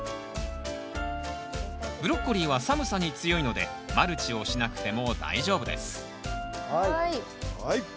ブロッコリーは寒さに強いのでマルチをしなくても大丈夫ですはい。